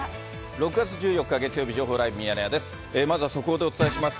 ６月１４日月曜日、情報ライブミヤネ屋です。